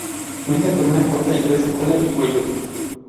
Cuenta con una corta y gruesa cola y cuello.